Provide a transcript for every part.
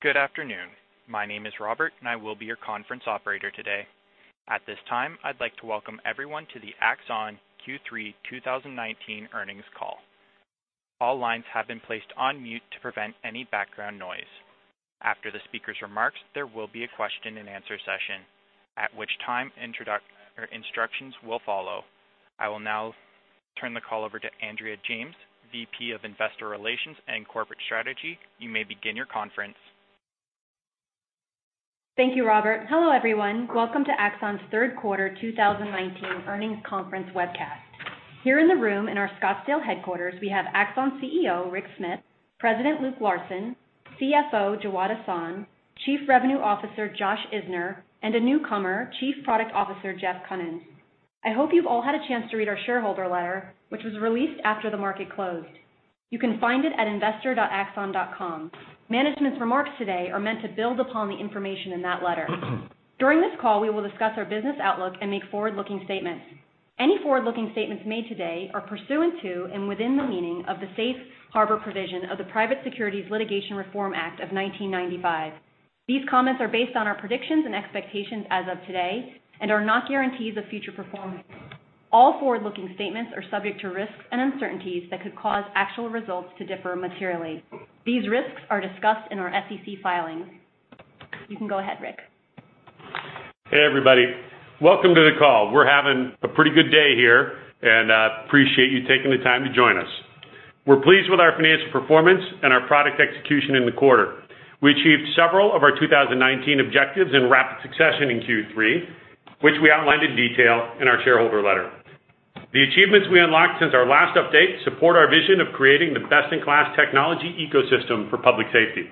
Good afternoon. My name is Robert, and I will be your conference operator today. At this time, I'd like to welcome everyone to the Axon Q3 2019 earnings call. All lines have been placed on mute to prevent any background noise. After the speaker's remarks, there will be a question and answer session, at which time instructions will follow. I will now turn the call over to Andrea James, VP of Investor Relations and Corporate Strategy. You may begin your conference. Thank you, Robert. Hello, everyone. Welcome to Axon's third quarter 2019 earnings conference webcast. Here in the room in our Scottsdale headquarters, we have Axon CEO, Rick Smith, President Luke Larson, CFO Jawad Ahsan, Chief Revenue Officer Josh Isner, and a newcomer, Chief Product Officer Jeff Kunins. I hope you've all had a chance to read our shareholder letter, which was released after the market closed. You can find it at investor.axon.com. Management's remarks today are meant to build upon the information in that letter. During this call, we will discuss our business outlook and make forward-looking statements. Any forward-looking statements made today are pursuant to, and within the meaning of the safe harbor provision of the Private Securities Litigation Reform Act of 1995. These comments are based on our predictions and expectations as of today and are not guarantees of future performance. All forward-looking statements are subject to risks and uncertainties that could cause actual results to differ materially. These risks are discussed in our SEC filings. You can go ahead, Rick. Hey, everybody. Welcome to the call. We're having a pretty good day here, and appreciate you taking the time to join us. We're pleased with our financial performance and our product execution in the quarter. We achieved several of our 2019 objectives in rapid succession in Q3, which we outlined in detail in our shareholder letter. The achievements we unlocked since our last update support our vision of creating the best-in-class technology ecosystem for public safety.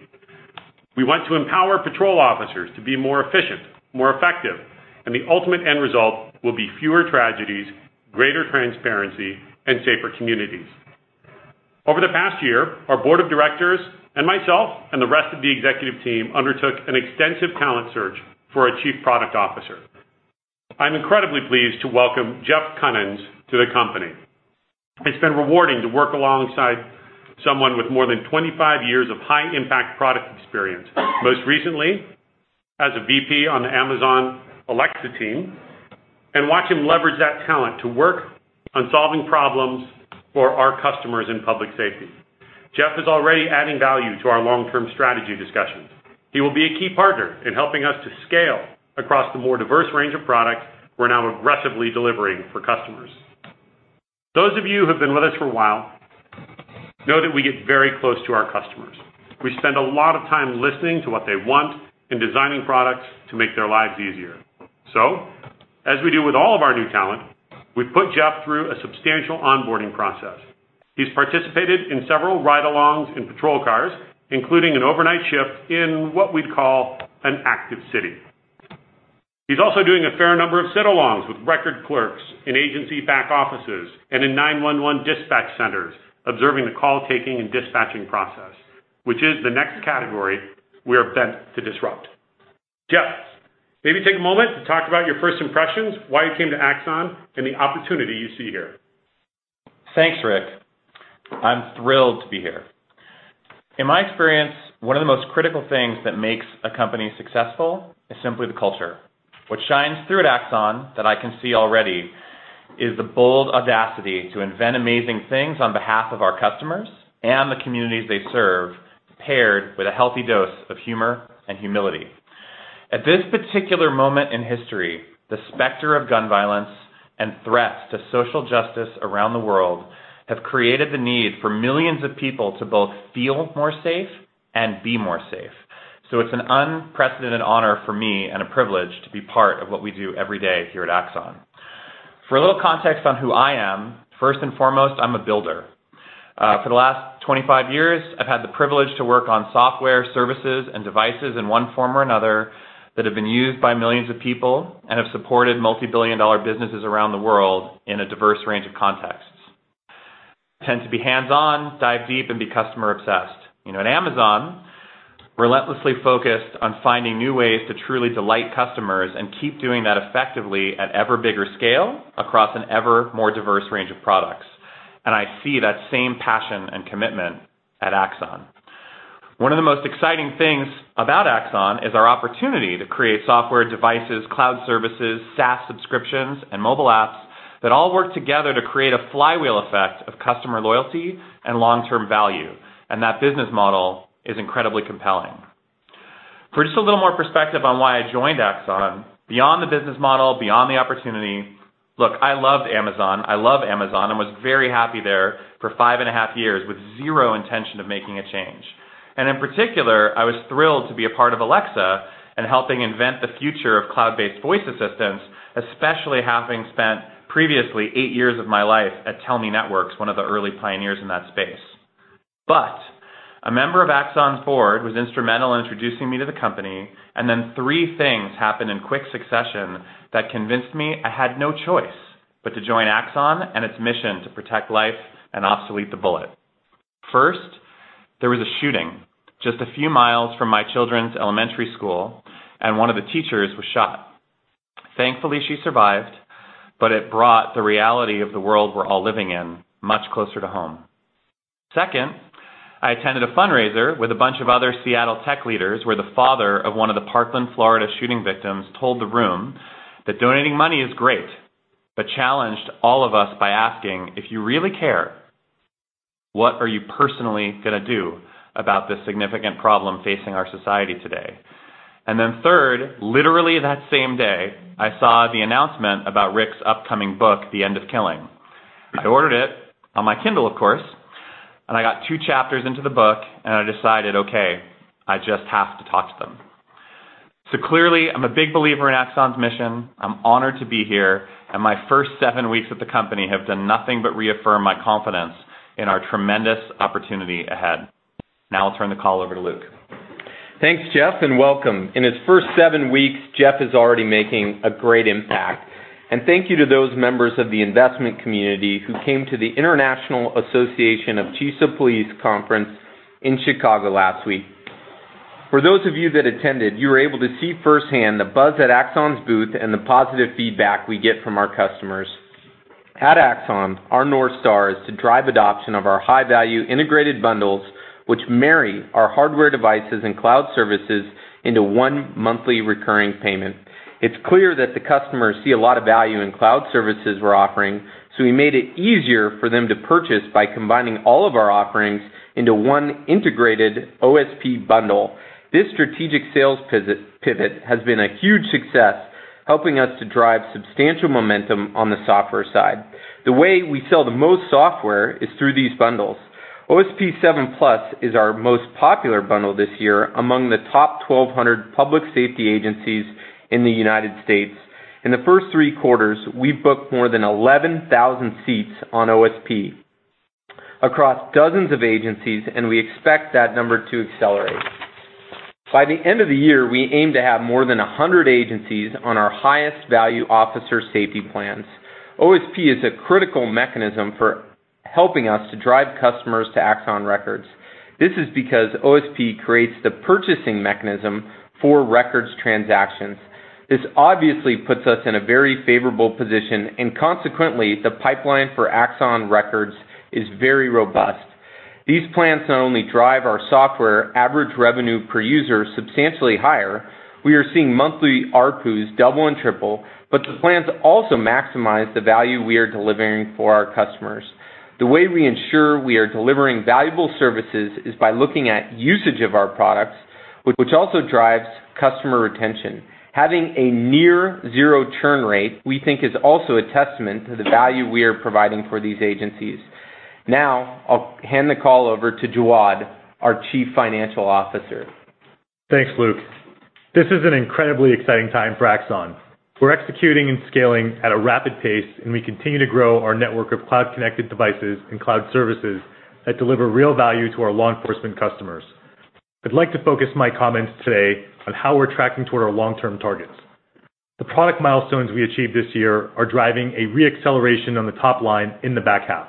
We want to empower patrol officers to be more efficient, more effective, and the ultimate end result will be fewer tragedies, greater transparency, and safer communities. Over the past year, our board of directors and myself and the rest of the executive team undertook an extensive talent search for our Chief Product Officer. I'm incredibly pleased to welcome Jeff Kunins to the company. It's been rewarding to work alongside someone with more than 25 years of high-impact product experience, most recently as a VP on the Amazon Alexa team, and watch him leverage that talent to work on solving problems for our customers in public safety. Jeff is already adding value to our long-term strategy discussions. He will be a key partner in helping us to scale across the more diverse range of products we're now aggressively delivering for customers. Those of you who've been with us for a while know that we get very close to our customers. We spend a lot of time listening to what they want and designing products to make their lives easier. As we do with all of our new talent, we've put Jeff through a substantial onboarding process. He's participated in several ride-alongs in patrol cars, including an overnight shift in what we'd call an active city. He's also doing a fair number of sit-alongs with record clerks in agency back offices and in 911 dispatch centers observing the call taking and dispatching process, which is the next category we're bent to disrupt. Jeff, maybe take a moment to talk about your first impressions, why you came to Axon, and the opportunity you see here. Thanks, Rick. I'm thrilled to be here. In my experience, one of the most critical things that makes a company successful is simply the culture. What shines through at Axon that I can see already is the bold audacity to invent amazing things on behalf of our customers and the communities they serve, paired with a healthy dose of humor and humility. At this particular moment in history, the specter of gun violence and threats to social justice around the world have created the need for millions of people to both feel more safe and be more safe. It's an unprecedented honor for me and a privilege to be part of what we do every day here at Axon. For a little context on who I am, first and foremost, I'm a builder. For the last 25 years, I've had the privilege to work on software services and devices in one form or another that have been used by millions of people and have supported multi-billion-dollar businesses around the world in a diverse range of contexts. I tend to be hands-on, dive deep, and be customer obsessed. At Amazon, relentlessly focused on finding new ways to truly delight customers and keep doing that effectively at ever bigger scale across an ever more diverse range of products, and I see that same passion and commitment at Axon. One of the most exciting things about Axon is our opportunity to create software devices, cloud services, SaaS subscriptions, and mobile apps that all work together to create a flywheel effect of customer loyalty and long-term value, and that business model is incredibly compelling. For just a little more perspective on why I joined Axon, beyond the business model, beyond the opportunity, look, I loved Amazon. I love Amazon and was very happy there for five and a half years with zero intention of making a change. In particular, I was thrilled to be a part of Alexa and helping invent the future of cloud-based voice assistants, especially having spent previously eight years of my life at Tellme Networks, one of the early pioneers in that space. A member of Axon Board was instrumental in introducing me to the company, three things happened in quick succession that convinced me I had no choice but to join Axon and its mission to protect life and obsolete the bullet. First, there was a shooting just a few miles from my children's elementary school, and one of the teachers was shot. Thankfully, she survived, but it brought the reality of the world we're all living in much closer to home. Second, I attended a fundraiser with a bunch of other Seattle tech leaders, where the father of one of the Parkland, Florida shooting victims told the room that donating money is great, but challenged all of us by asking, "If you really care, what are you personally going to do about this significant problem facing our society today?" Then third, literally that same day, I saw the announcement about Rick's upcoming book, "The End of Killing." I ordered it on my Kindle, of course, and I got two chapters into the book, and I decided, okay, I just have to talk to them. Clearly, I'm a big believer in Axon's mission. I'm honored to be here, and my first seven weeks at the company have done nothing but reaffirm my confidence in our tremendous opportunity ahead. Now I'll turn the call over to Luke. Thanks, Jeff, and welcome. In his first seven weeks, Jeff is already making a great impact. Thank you to those members of the investment community who came to the International Association of Chiefs of Police Conference in Chicago last week. For those of you that attended, you were able to see firsthand the buzz at Axon's booth and the positive feedback we get from our customers. At Axon, our North Star is to drive adoption of our high-value integrated bundles, which marry our hardware devices and cloud services into one monthly recurring payment. It's clear that the customers see a lot of value in cloud services we're offering, so we made it easier for them to purchase by combining all of our offerings into one integrated OSP bundle. This strategic sales pivot has been a huge success, helping us to drive substantial momentum on the software side. The way we sell the most software is through these bundles. OSP 7+ is our most popular bundle this year among the top 1,200 public safety agencies in the United States. In the first three quarters, we've booked more than 11,000 seats on OSP across dozens of agencies, and we expect that number to accelerate. By the end of the year, we aim to have more than 100 agencies on our highest value Officer Safety Plans. OSP is a critical mechanism for helping us to drive customers to Axon Records. This is because OSP creates the purchasing mechanism for records transactions. This obviously puts us in a very favorable position, and consequently, the pipeline for Axon Records is very robust. These plans not only drive our software average revenue per user substantially higher, we are seeing monthly ARPU double and triple, but the plans also maximize the value we are delivering for our customers. The way we ensure we are delivering valuable services is by looking at usage of our products, which also drives customer retention. Having a near zero churn rate, we think is also a testament to the value we are providing for these agencies. I'll hand the call over to Jawad, our Chief Financial Officer. Thanks, Luke. This is an incredibly exciting time for Axon. We're executing and scaling at a rapid pace, and we continue to grow our network of cloud-connected devices and cloud services that deliver real value to our law enforcement customers. I'd like to focus my comments today on how we're tracking toward our long-term targets. The product milestones we achieved this year are driving a re-acceleration on the top line in the back half,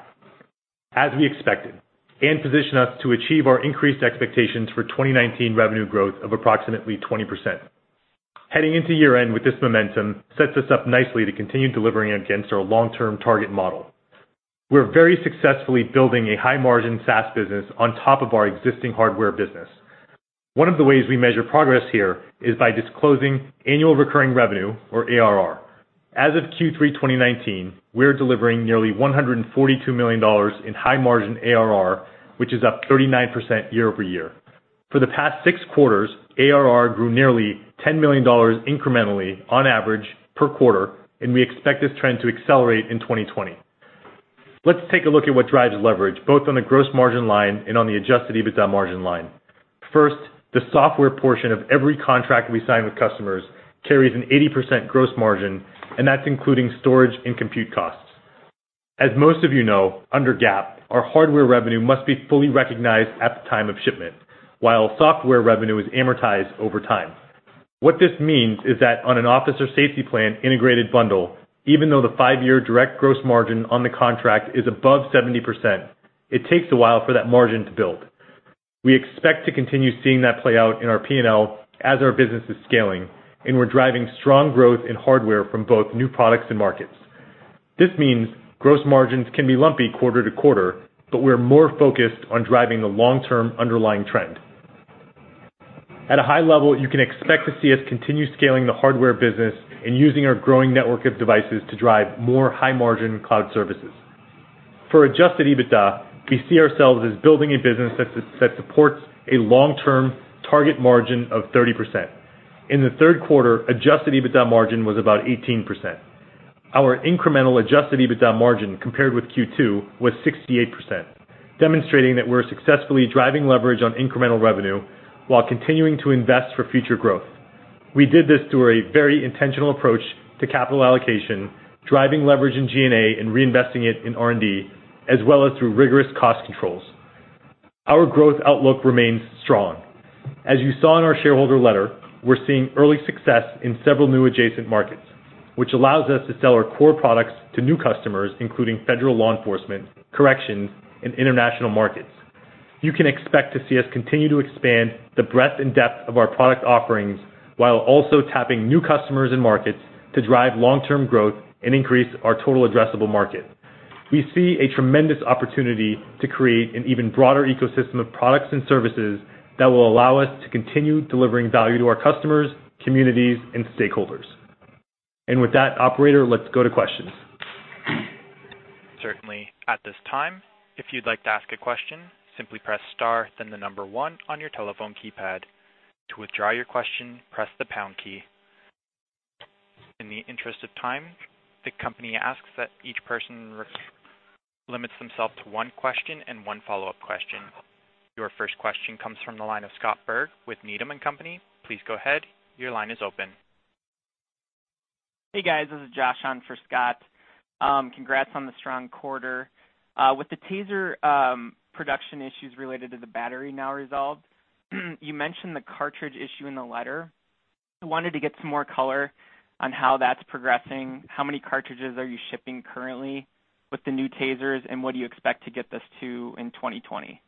as we expected, and position us to achieve our increased expectations for 2019 revenue growth of approximately 20%. Heading into year-end with this momentum sets us up nicely to continue delivering against our long-term target model. We're very successfully building a high-margin SaaS business on top of our existing hardware business. One of the ways we measure progress here is by disclosing annual recurring revenue, or ARR. As of Q3 2019, we're delivering nearly $142 million in high-margin ARR, which is up 39% year-over-year. For the past 6 quarters, ARR grew nearly $10 million incrementally on average per quarter, we expect this trend to accelerate in 2020. Let's take a look at what drives leverage, both on the gross margin line and on the adjusted EBITDA margin line. First, the software portion of every contract we sign with customers carries an 80% gross margin, and that's including storage and compute costs. As most of you know, under GAAP, our hardware revenue must be fully recognized at the time of shipment, while software revenue is amortized over time. What this means is that on an Officer Safety Plan integrated bundle, even though the 5-year direct gross margin on the contract is above 70%, it takes a while for that margin to build. We expect to continue seeing that play out in our P&L as our business is scaling, and we're driving strong growth in hardware from both new products and markets. This means gross margins can be lumpy quarter to quarter, but we're more focused on driving the long-term underlying trend. At a high level, you can expect to see us continue scaling the hardware business and using our growing network of devices to drive more high-margin cloud services. For adjusted EBITDA, we see ourselves as building a business that supports a long-term target margin of 30%. In the third quarter, adjusted EBITDA margin was about 18%. Our incremental adjusted EBITDA margin compared with Q2 was 68%, demonstrating that we're successfully driving leverage on incremental revenue while continuing to invest for future growth. We did this through a very intentional approach to capital allocation, driving leverage in G&A and reinvesting it in R&D, as well as through rigorous cost controls. Our growth outlook remains strong. As you saw in our shareholder letter, we're seeing early success in several new adjacent markets, which allows us to sell our core products to new customers, including federal law enforcement, corrections, and international markets. You can expect to see us continue to expand the breadth and depth of our product offerings while also tapping new customers and markets to drive long-term growth and increase our total addressable market. We see a tremendous opportunity to create an even broader ecosystem of products and services that will allow us to continue delivering value to our customers, communities, and stakeholders. With that, operator, let's go to questions. Certainly. At this time, if you'd like to ask a question, simply press star, then the number 1 on your telephone keypad. To withdraw your question, press the pound key. In the interest of time, the company asks that each person limits themselves to one question and one follow-up question. Your first question comes from the line of Scott Berg with Needham & Company. Please go ahead. Your line is open. Hey, guys. This is Josh on for Scott. Congrats on the strong quarter. With the TASER production issues related to the battery now resolved, you mentioned the cartridge issue in the letter. I wanted to get some more color on how that's progressing. How many cartridges are you shipping currently with the new TASERs, and what do you expect to get this to in 2020?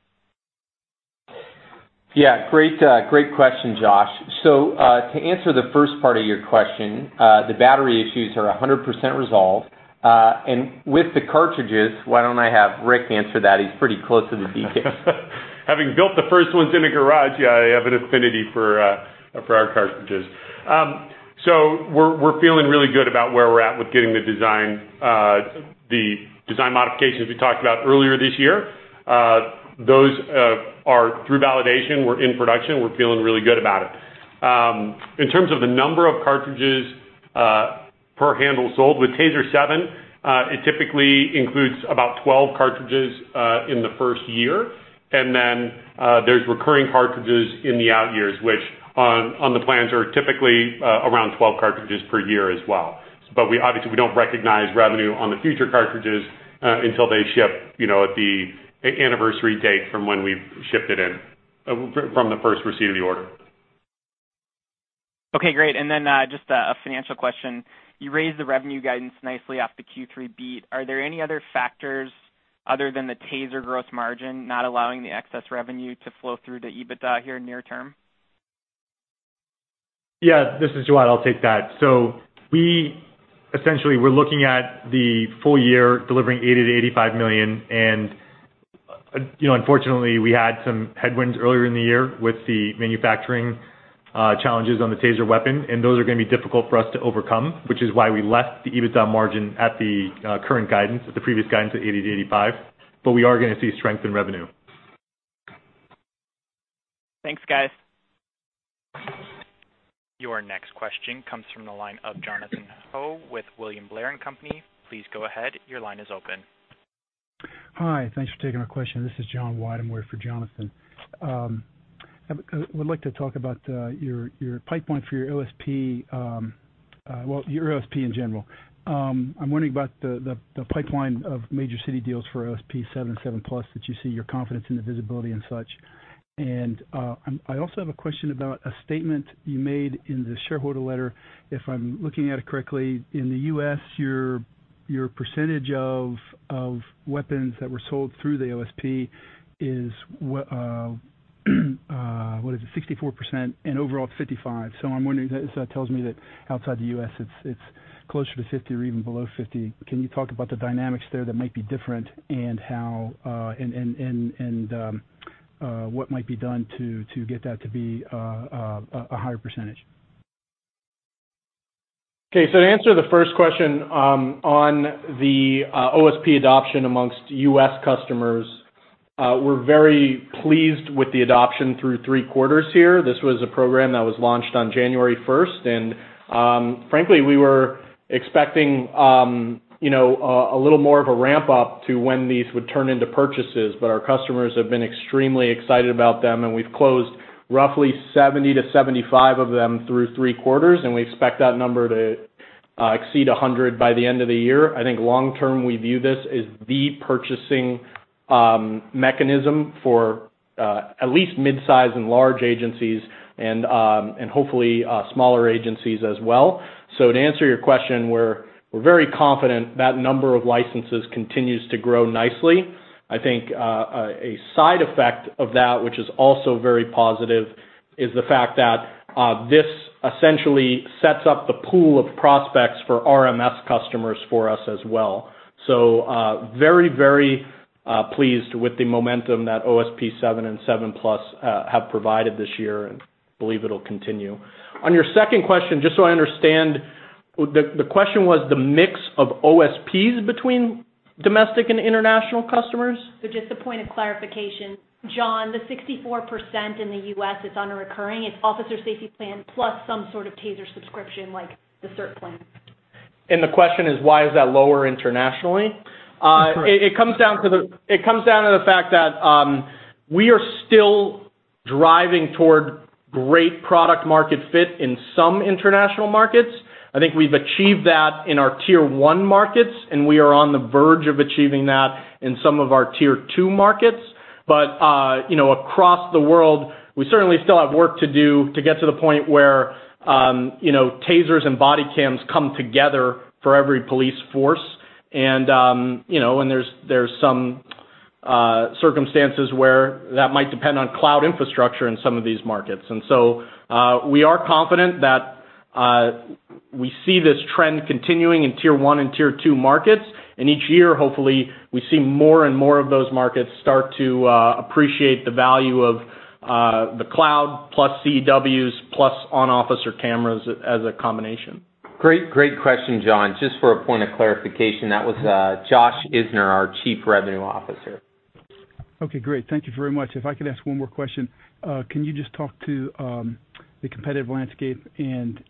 Yeah. Great question, Josh. To answer the first part of your question, the battery issues are 100% resolved. With the cartridges, why don't I have Rick answer that? He's pretty close to the details. Having built the first ones in a garage, yeah, I have an affinity for our cartridges. We're feeling really good about where we're at with getting the design modifications we talked about earlier this year. Those are through validation. We're in production. We're feeling really good about it. In terms of the number of cartridges per handle sold with TASER 7, it typically includes about 12 cartridges in the first year. There's recurring cartridges in the out years, which on the plans are typically around 12 cartridges per year as well. Obviously, we don't recognize revenue on the future cartridges until they ship at the anniversary date from when we've shipped it in from the first receipt of the order. Okay, great. Just a financial question. You raised the revenue guidance nicely off the Q3 beat. Are there any other factors other than the TASER gross margin not allowing the excess revenue to flow through to EBITDA here near term? Yeah, this is Jawad. I'll take that. Essentially, we're looking at the full year delivering $80 million-$85 million, unfortunately, we had some headwinds earlier in the year with the manufacturing challenges on the TASER weapon, those are going to be difficult for us to overcome, which is why we left the EBITDA margin at the current guidance, at the previous guidance at $80 million-$85 million, we are going to see strength in revenue. Thanks, guys. Your next question comes from the line of Jonathan Ho with William Blair & Company. Please go ahead. Your line is open. Hi. Thanks for taking my question. This is John Weidemoyer, with for Jonathan. I would like to talk about your pipeline for your OSP, well, your OSP in general. I'm wondering about the pipeline of major city deals for OSP 7 and 7+ that you see, your confidence in the visibility and such. I also have a question about a statement you made in the shareholder letter. If I'm looking at it correctly, in the U.S., your percentage of weapons that were sold through the OSP is, what is it, 64% and overall it's 55%. I'm wondering, that tells me that outside the U.S., it's closer to 50% or even below 50%. Can you talk about the dynamics there that might be different, and what might be done to get that to be a higher percentage? To answer the first question on the OSP adoption amongst U.S. customers, we're very pleased with the adoption through three quarters here. This was a program that was launched on January 1st, frankly, we were expecting a little more of a ramp-up to when these would turn into purchases, our customers have been extremely excited about them, we've closed roughly 70-75 of them through three quarters, we expect that number to exceed 100 by the end of the year. I think long-term, we view this as the purchasing mechanism for at least mid-size and large agencies, hopefully smaller agencies as well. To answer your question, we're very confident that number of licenses continues to grow nicely. I think a side effect of that, which is also very positive, is the fact that this essentially sets up the pool of prospects for RMS customers for us as well. Very pleased with the momentum that OSP 7 and OSP 7+ have provided this year and believe it'll continue. On your second question, just so I understand, the question was the mix of OSPs between domestic and international customers? Just a point of clarification. John, the 64% in the U.S. that's on a recurring, it's Officer Safety Plan plus some sort of TASER subscription, like the CERT plan. The question is why is that lower internationally? That's correct. It comes down to the fact that we are still driving toward great product market fit in some international markets. I think we've achieved that in our tier 1 markets, and we are on the verge of achieving that in some of our tier 2 markets. Across the world, we certainly still have work to do to get to the point where TASERs and body cams come together for every police force. There's some circumstances where that might depend on cloud infrastructure in some of these markets. We are confident that we see this trend continuing in tier 1 and tier 2 markets, and each year, hopefully, we see more and more of those markets start to appreciate the value of the cloud plus CEWs plus on-officer cameras as a combination. Great question, John. Just for a point of clarification, that was Josh Isner, our Chief Revenue Officer. Okay, great. Thank you very much. If I could ask one more question, can you just talk to the competitive landscape and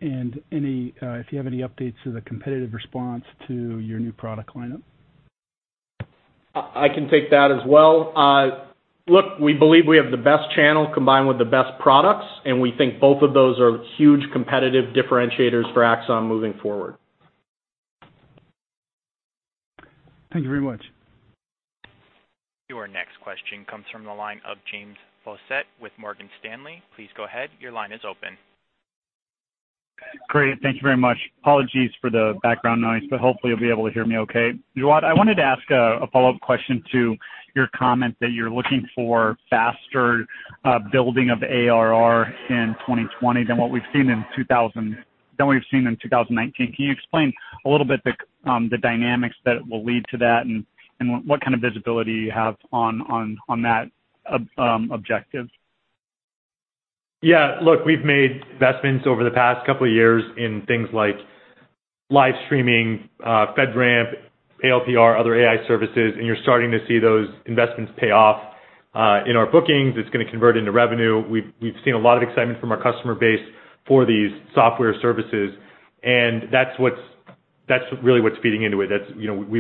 if you have any updates to the competitive response to your new product lineup? I can take that as well. Look, we believe we have the best channel combined with the best products. We think both of those are huge competitive differentiators for Axon moving forward. Thank you very much. Your next question comes from the line of James Faucette with Morgan Stanley. Please go ahead. Your line is open. Great. Thank you very much. Apologies for the background noise, but hopefully you'll be able to hear me okay. Jawad, I wanted to ask a follow-up question to your comment that you're looking for faster building of ARR in 2020 than what we've seen in 2019. Can you explain a little bit the dynamics that will lead to that and what kind of visibility you have on that objective? Yeah. Look, we've made investments over the past couple of years in things like live streaming, FedRAMP, ALPR, other AI services, and you're starting to see those investments pay off in our bookings. It's going to convert into revenue. We've seen a lot of excitement from our customer base for these software services, and that's really what's feeding into it. We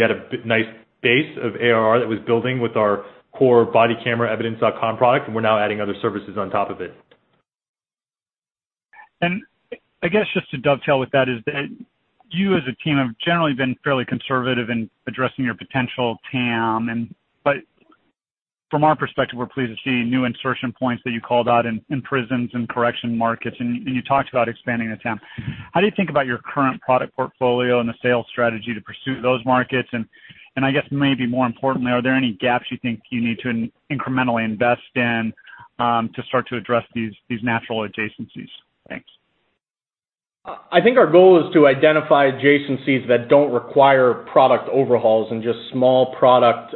had a nice base of ARR that was building with our core body camera Evidence.com product, and we're now adding other services on top of it. I guess just to dovetail with that is that you as a team have generally been fairly conservative in addressing your potential TAM, but from our perspective, we're pleased to see new insertion points that you called out in prisons and correction markets, and you talked about expanding the TAM. How do you think about your current product portfolio and the sales strategy to pursue those markets? I guess maybe more importantly, are there any gaps you think you need to incrementally invest in to start to address these natural adjacencies? Thanks. I think our goal is to identify adjacencies that don't require product overhauls and just small product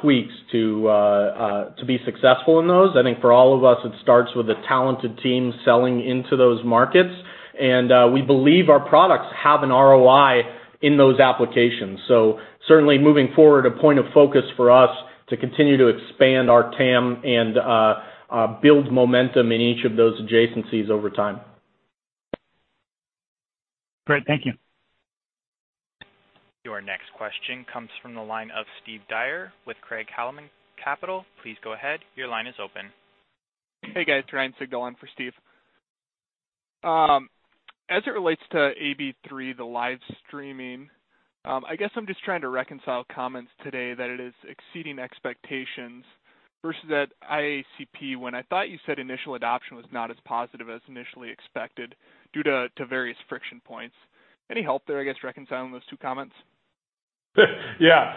tweaks to be successful in those. I think for all of us, it starts with a talented team selling into those markets. We believe our products have an ROI in those applications. Certainly moving forward, a point of focus for us to continue to expand our TAM and build momentum in each of those adjacencies over time. Great. Thank you. Your next question comes from the line of Steve Dyer with Craig-Hallum Capital. Please go ahead. Your line is open. Hey, guys. Ryan Sigdahl on for Steve. As it relates to AB3, the live streaming, I guess I'm just trying to reconcile comments today that it is exceeding expectations versus at IACP, when I thought you said initial adoption was not as positive as initially expected due to various friction points. Any help there, I guess, reconciling those two comments? Yeah.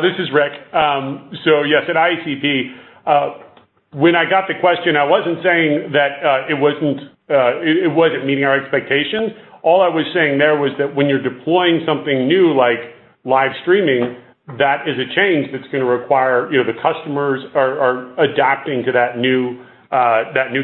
This is Rick. Yes, at IACP, when I got the question, I wasn't saying that it wasn't meeting our expectations. All I was saying there was that when you're deploying something new, like live streaming, that is a change that's going to require the customers are adapting to that new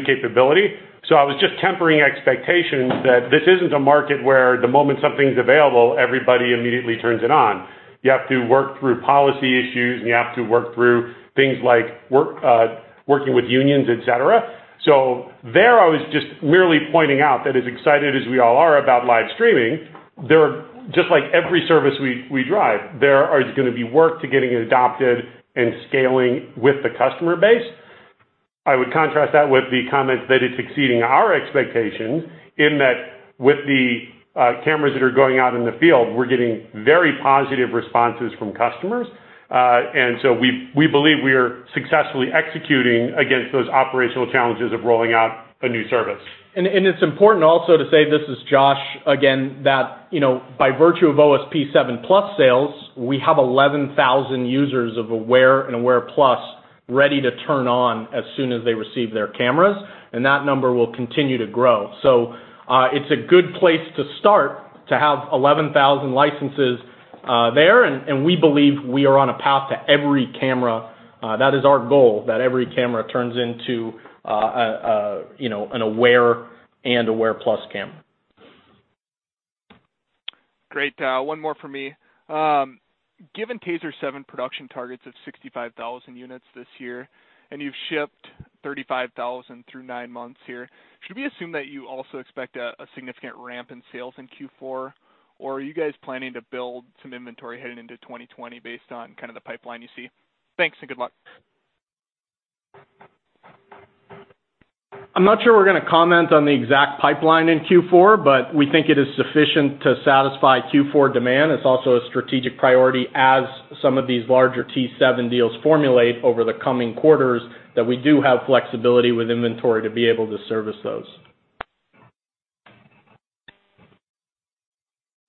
capability. I was just tempering expectations that this isn't a market where the moment something's available, everybody immediately turns it on. You have to work through policy issues, and you have to work through things like working with unions, et cetera. There I was just merely pointing out that as excited as we all are about live streaming, just like every service we drive, there is going to be work to getting it adopted and scaling with the customer base. I would contrast that with the comments that it's exceeding our expectations in that with the cameras that are going out in the field, we're getting very positive responses from customers. We believe we are successfully executing against those operational challenges of rolling out a new service. It's important also to say, this is Josh again, that by virtue of OSP 7+ sales, we have 11,000 users of Aware and Aware+ ready to turn on as soon as they receive their cameras, and that number will continue to grow. It's a good place to start to have 11,000 licenses there, and we believe we are on a path to every camera. That is our goal, that every camera turns into an Aware and Aware+ camera. Great. One more from me. Given TASER 7 production targets of 65,000 units this year, and you've shipped 35,000 through nine months here, should we assume that you also expect a significant ramp in sales in Q4? Are you guys planning to build some inventory heading into 2020 based on kind of the pipeline you see? Thanks, and good luck. I'm not sure we're going to comment on the exact pipeline in Q4, but we think it is sufficient to satisfy Q4 demand. It's also a strategic priority as some of these larger T7 deals formulate over the coming quarters that we do have flexibility with inventory to be able to service those.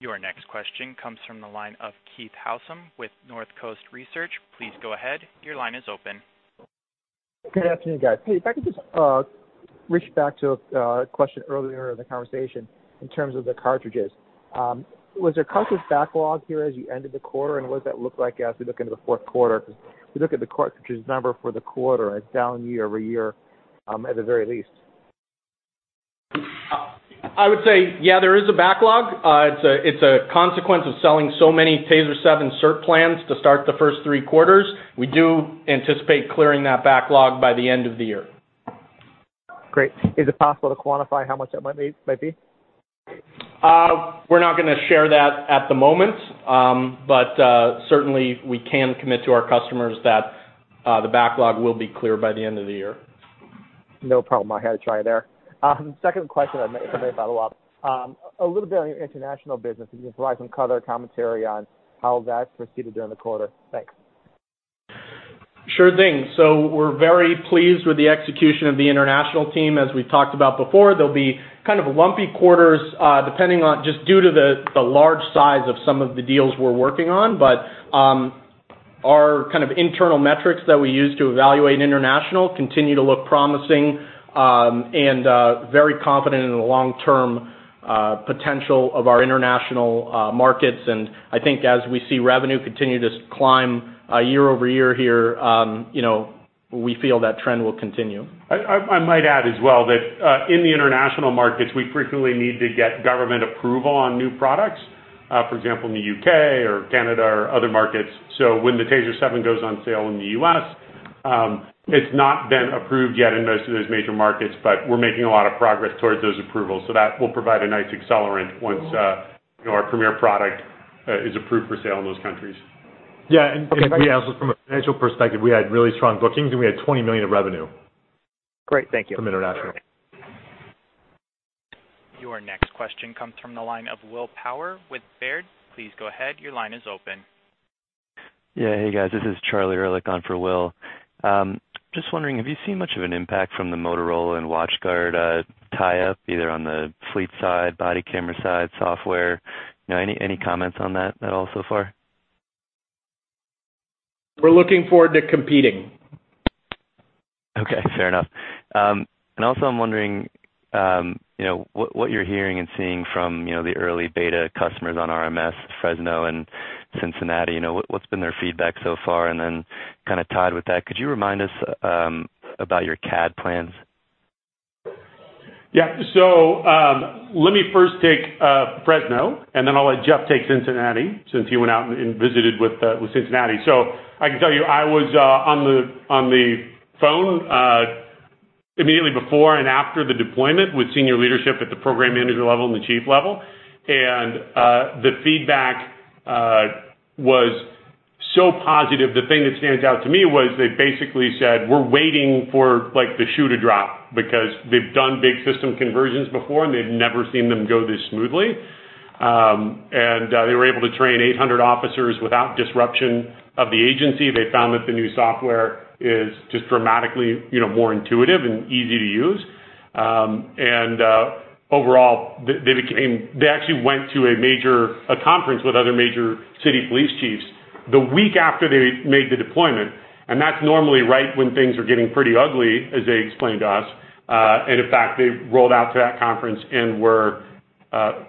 Your next question comes from the line of Keith Housum with Northcoast Research. Please go ahead. Your line is open. Good afternoon, guys. Hey, if I could just reach back to a question earlier in the conversation in terms of the cartridges. Was there conscious backlog here as you ended the quarter, and what does that look like as we look into the fourth quarter? We look at the cartridges number for the quarter, it's down year-over-year, at the very least. I would say, yeah, there is a backlog. It's a consequence of selling so many TASER 7 CERT plans to start the first three quarters. We do anticipate clearing that backlog by the end of the year. Great. Is it possible to quantify how much that might be? We're not going to share that at the moment. Certainly, we can commit to our customers that the backlog will be clear by the end of the year. No problem. I had to try there. Second question, if I may follow up. A little bit on your international business. If you can provide some color or commentary on how that proceeded during the quarter. Thanks. Sure thing. We're very pleased with the execution of the international team. As we talked about before, there'll be kind of lumpy quarters depending on just due to the large size of some of the deals we're working on. Our kind of internal metrics that we use to evaluate international continue to look promising, and very confident in the long-term potential of our international markets. I think as we see revenue continue to climb year-over-year here, we feel that trend will continue. I might add as well that, in the international markets, we frequently need to get government approval on new products. For example, in the U.K. or Canada or other markets. When the TASER 7 goes on sale in the U.S., it's not been approved yet in most of those major markets, but we're making a lot of progress towards those approvals. That will provide a nice accelerant once our premier product is approved for sale in those countries. Yeah. Just from a financial perspective, we had really strong bookings, and we had $20 million of revenue- Great. Thank you from international. Your next question comes from the line of Will Power with Baird. Please go ahead. Your line is open. Yeah. Hey, guys, this is Charlie Erlikh on for Will. Just wondering, have you seen much of an impact from the Motorola and WatchGuard tie-up, either on the fleet side, body camera side, software? Any comments on that at all so far? We're looking forward to competing. Okay, fair enough. Also, I'm wondering, what you're hearing and seeing from the early beta customers on RMS, Fresno and Cincinnati. What's been their feedback so far? Then kind of tied with that, could you remind us about your CAD plans? Let me first take Fresno, I'll let Jeff take Cincinnati since he went out and visited with Cincinnati. I can tell you, I was on the phone immediately before and after the deployment with senior leadership at the program manager level and the chief level. The feedback was so positive. The thing that stands out to me was they basically said, "We're waiting for the shoe to drop," because they've done big system conversions before, and they've never seen them go this smoothly. They were able to train 800 officers without disruption of the agency. They found that the new software is just dramatically more intuitive and easy to use. Overall, they actually went to a conference with other major city police chiefs the week after they made the deployment, and that's normally right when things are getting pretty ugly, as they explained to us. In fact, they rolled out to that conference and were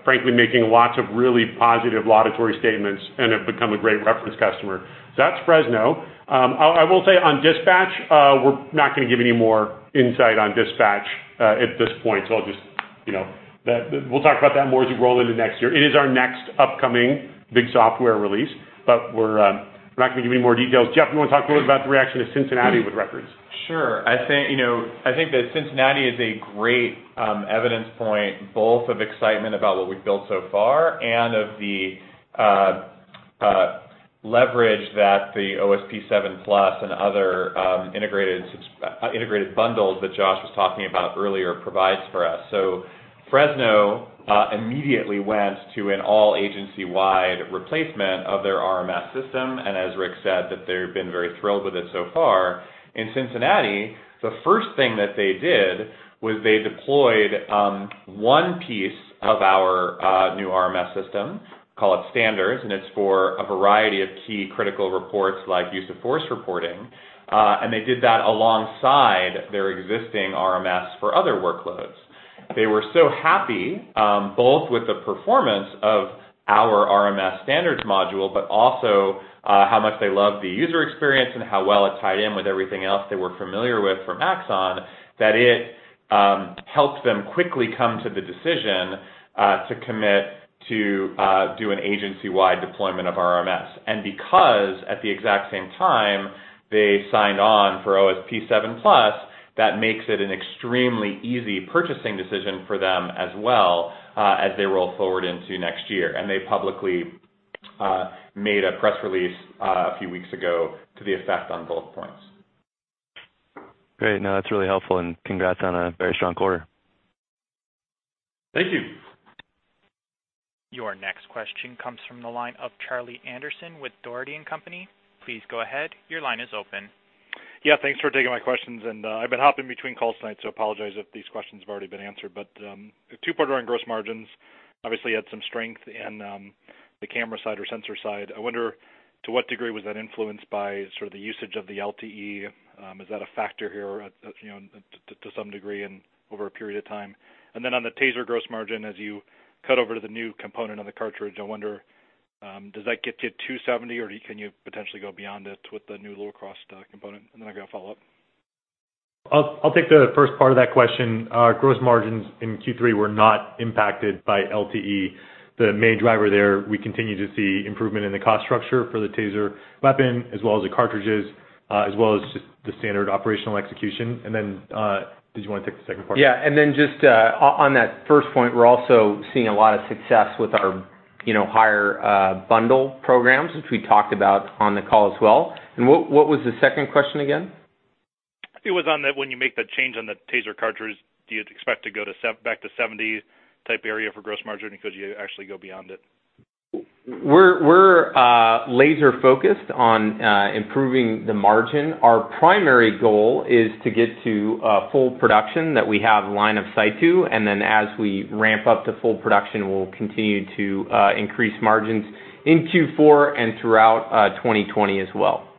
frankly making lots of really positive laudatory statements and have become a great reference customer. That's Fresno. I will say on dispatch, we're not going to give any more insight on dispatch at this point. We'll talk about that more as we roll into next year. It is our next upcoming big software release, but we're not going to give any more details. Jeff, you want to talk a little about the reaction of Cincinnati with Records? I think that Cincinnati is a great evidence point, both of excitement about what we've built so far and of the leverage that the OSP 7+ and other integrated bundles that Josh was talking about earlier provides for us. Fresno immediately went to an all agency-wide replacement of their RMS system, and as Rick said, that they've been very thrilled with it so far. In Cincinnati, the first thing that they did was they deployed one piece of our new RMS system, call it Standards, and it's for a variety of key critical reports like use of force reporting. They did that alongside their existing RMS for other workloads. They were so happy, both with the performance of our RMS Standards module, but also how much they loved the user experience and how well it tied in with everything else they were familiar with from Axon, that it helped them quickly come to the decision to commit to do an agency-wide deployment of RMS. Because at the exact same time they signed on for OSP 7+, that makes it an extremely easy purchasing decision for them as well as they roll forward into next year. They publicly made a press release a few weeks ago to the effect on both points. Great. No, that's really helpful, and congrats on a very strong quarter. Thank you. Your next question comes from the line of Charlie Anderson with Dougherty & Company. Please go ahead. Your line is open. Yeah, thanks for taking my questions. I've been hopping between call sites, so apologize if these questions have already been answered. Two-part on gross margins. Obviously had some strength in the camera side or sensor side. I wonder to what degree was that influenced by sort of the usage of the LTE. Is that a factor here, you know, to some degree and over a period of time? On the TASER gross margin, as you cut over to the new component of the cartridge, I wonder, does that get to 270, or can you potentially go beyond it with the new lower cost component? I got a follow-up. I'll take the first part of that question. Our gross margins in Q3 were not impacted by LTE. The main driver there, we continue to see improvement in the cost structure for the TASER weapon as well as the cartridges, as well as just the standard operational execution. Did you want to take the second part? Yeah. Just on that first point, we're also seeing a lot of success with our higher bundle programs, which we talked about on the call as well. What was the second question again? It was on that when you make the change on the TASER cartridges, do you expect to go back to 70s type area for gross margin, and could you actually go beyond it? We're laser focused on improving the margin. Our primary goal is to get to a full production that we have line of sight to, and then as we ramp up to full production, we'll continue to increase margins in Q4 and throughout 2020 as well.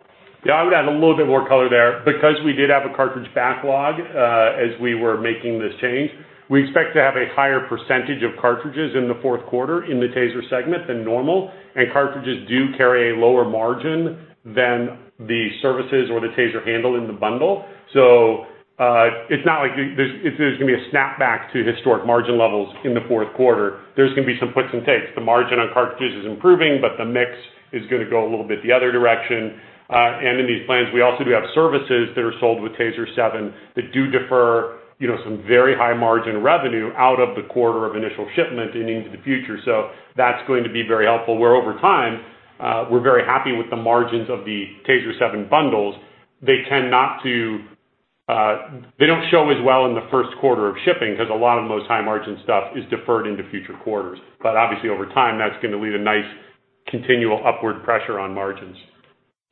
Yeah, I would add a little bit more color there. We did have a cartridge backlog as we were making this change, we expect to have a higher percentage of cartridges in the fourth quarter in the TASER segment than normal. Cartridges do carry a lower margin than the services or the TASER handle in the bundle. It's not like there's going to be a snapback to historic margin levels in the fourth quarter. There's going to be some puts and takes. The margin on cartridges is improving, the mix is going to go a little bit the other direction. In these plans, we also do have services that are sold with TASER 7 that do defer some very high margin revenue out of the quarter of initial shipment and into the future. That's going to be very helpful, where over time, we're very happy with the margins of the TASER 7 bundles. They don't show as well in the first quarter of shipping because a lot of most high margin stuff is deferred into future quarters. Obviously over time, that's going to lead a nice continual upward pressure on margins.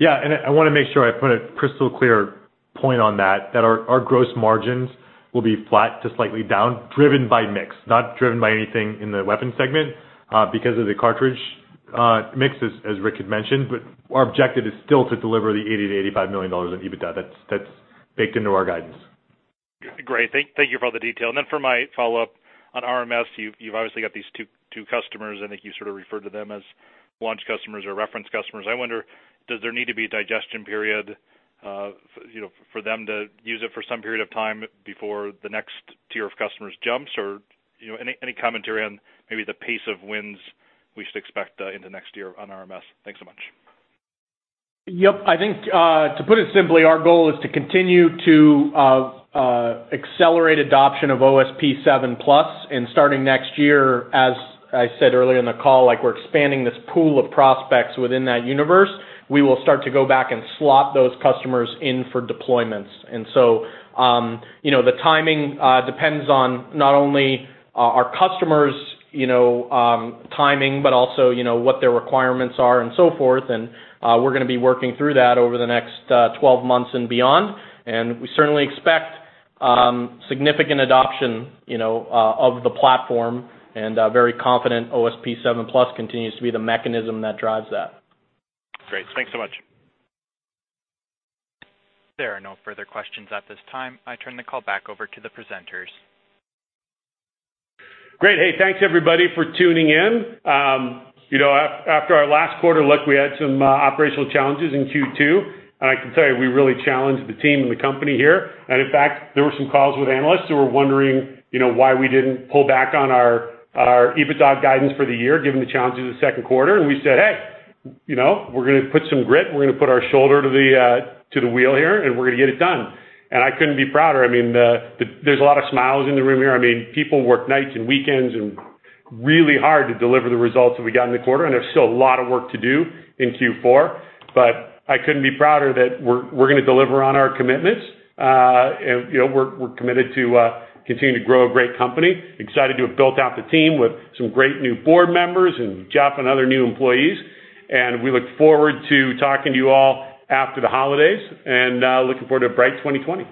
I want to make sure I put a crystal clear point on that our gross margins will be flat to slightly down, driven by mix, not driven by anything in the weapons segment, because of the cartridge mix, as Rick had mentioned. Our objective is still to deliver the $80 million-$85 million in EBITDA. That's baked into our guidance. Thank you for all the detail. For my follow-up on RMS, you've obviously got these two customers, I think you sort of referred to them as launch customers or reference customers. I wonder, does there need to be a digestion period for them to use it for some period of time before the next tier of customers jumps? Any commentary on maybe the pace of wins we should expect in the next year on RMS? Thanks so much. Yep. I think, to put it simply, our goal is to continue to accelerate adoption of OSP 7+. Starting next year, as I said earlier in the call, we're expanding this pool of prospects within that universe. We will start to go back and slot those customers in for deployments. The timing depends on not only our customers' timing, but also what their requirements are and so forth. We're going to be working through that over the next 12 months and beyond. We certainly expect significant adoption of the platform and very confident OSP 7+ continues to be the mechanism that drives that. Great. Thanks so much. There are no further questions at this time. I turn the call back over to the presenters. Great. Hey, thanks everybody for tuning in. After our last quarter look, we had some operational challenges in Q2. I can tell you, we really challenged the team and the company here. In fact, there were some calls with analysts who were wondering why we didn't pull back on our EBITDA guidance for the year, given the challenges of the second quarter. We said, "Hey, we're going to put some grit, we're going to put our shoulder to the wheel here, and we're going to get it done." I couldn't be prouder. There's a lot of smiles in the room here. People work nights and weekends and really hard to deliver the results that we got in the quarter, and there's still a lot of work to do in Q4. I couldn't be prouder that we're going to deliver on our commitments. We're committed to continuing to grow a great company. Excited to have built out the team with some great new board members and Jeff and other new employees. We look forward to talking to you all after the holidays and looking forward to a bright 2020.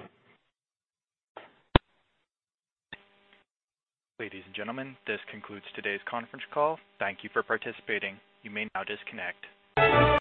Ladies and gentlemen, this concludes today's conference call. Thank you for participating. You may now disconnect.